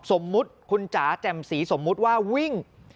สมมุติคุณจ๋าแจ่มสีสมมุติว่าวิ่ง